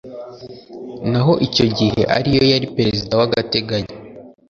naho icyo gihe ariyo yari Perezida w’agateganyo